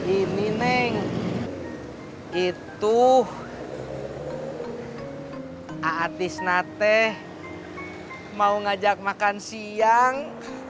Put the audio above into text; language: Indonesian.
ini neng itu atis nate mau ngajak makan siang